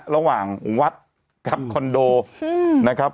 ระหว่างวัดกับคอนโดนะครับ